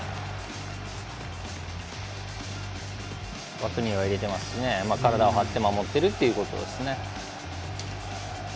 枠に入れてますし体を張って守っているということですね。